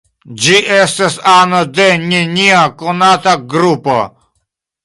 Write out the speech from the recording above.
Ĝi estas ano de nenia konata grupo.